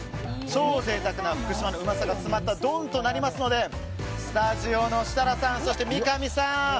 超贅沢な福島のうまさが詰まった丼となりますのでスタジオの設楽さん、三上さん。